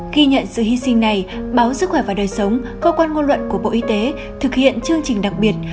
ghi nhận sự hy sinh này báo sức khỏe và đời sống cơ quan ngôn luận của bộ y tế thực hiện chương trình đặc biệt